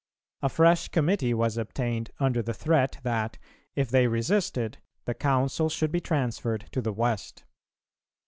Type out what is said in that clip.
A fresh committee was obtained under the threat that, if they resisted, the Council should be transferred to the West.